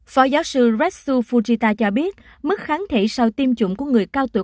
phó giáo sư retsu fujita cho biết mức kháng thỉ sau tiêm chủng của người cao tuổi